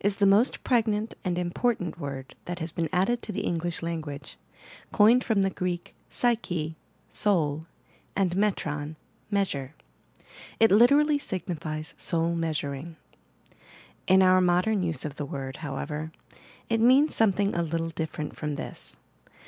the most pregnant and important word that has been added to the English language, coined from the Greek {psyche — 80ul and metron — measure). It literally signifies 'Soul Measuring,' In our modem use of the word, however, it means something a little different from this.